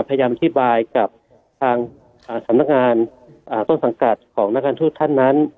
พยายามอธิบายกับทางสำนักงานต้นสังกัดของนักการทูตท่านนั้น